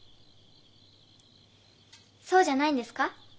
そうじゃないんですか？